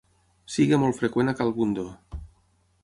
Sigui molt freqüent a cal Bundó.